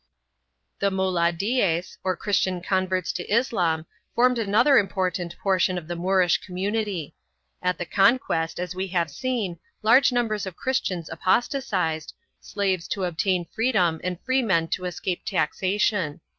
2 The Muladies, or Christian converts to Islam, formed another important portion of the Moorish community. At the con quest, as we have seen, large numbers of Christians aposta tized, slaves to obtain freedom and freemen to escape taxation.